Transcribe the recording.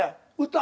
歌。